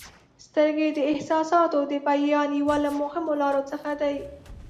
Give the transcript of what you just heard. • سترګې د احساساتو د بیان یوه له مهمو لارو څخه دي.